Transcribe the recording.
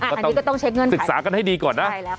อันนี้ก็ต้องเช็คเงินศึกษากันให้ดีก่อนนะ